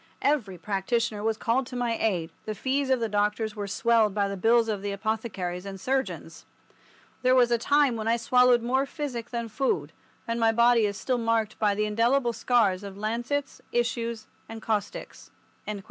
Every practitioner was called to my aid, the fees of the doctors were swelled by the bills of the apothecaries and surgeons. There was a time when I swallowed more physic than food, and my body is still marked by the indelible scars of lancets, issues, and caustics."